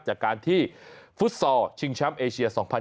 จากการที่ฟุตซอลชิงแชมป์เอเชีย๒๐๒